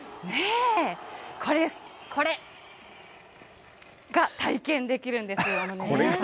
これ、これが、体験できるんですね。